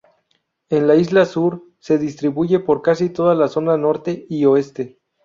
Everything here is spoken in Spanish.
En la Isla Sur se distribuye por casi toda la zona norte y oeste.